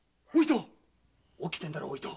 起きてんだろお糸。